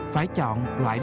phải chọn loại đất